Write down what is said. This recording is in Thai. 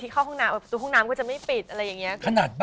สวัสดีครับ